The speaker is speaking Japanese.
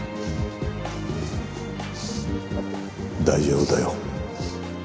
大丈夫だよ。